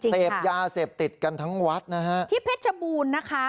จริงค่ะเสพยาเสพติดกันทั้งวัดนะฮะที่เพชรบูนนะคะ